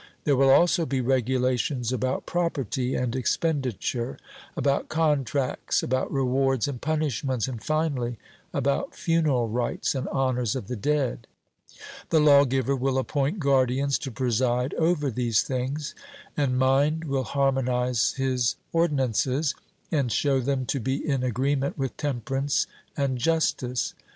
There will also be regulations about property and expenditure, about contracts, about rewards and punishments, and finally about funeral rites and honours of the dead. The lawgiver will appoint guardians to preside over these things; and mind will harmonize his ordinances, and show them to be in agreement with temperance and justice.